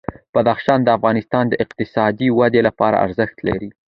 بدخشان د افغانستان د اقتصادي ودې لپاره ارزښت لري.